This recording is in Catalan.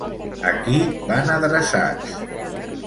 A qui van adreçats?